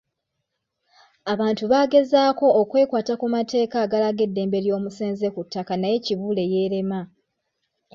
Abantu baagezaako okwekwata ku mateeka agalaga eddembe ly’omusenze ku ttaka naye Kibuule yeerema.